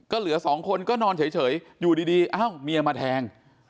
ก็เหลือสองคนก็นอนเฉยอยู่ดีเอ้าเมียมาแทง